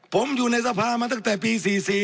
ผมอยู่ในสภามาตั้งแต่ปี๔๔